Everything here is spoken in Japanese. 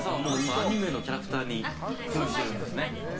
アニメのキャラクターに扮しているんですね。